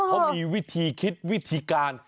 เขามีวิธีคิดวิธีการ